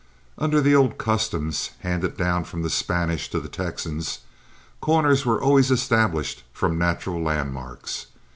Under the old customs, handed down from the Spanish to the Texans, corners were always established from natural landmarks.